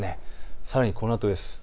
さらに、このあとです。